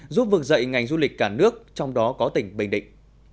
giúp vực dậy ngành du lịch cả nước trong đó có tỉnh bình định